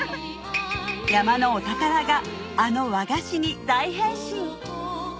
山のお宝があの和菓子に大変身